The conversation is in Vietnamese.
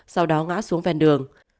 sau đó ngã xuống ven đường